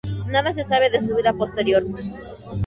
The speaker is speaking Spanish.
Nada se sabe de su vida posterior.